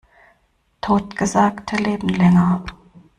Totgesagte leben länger.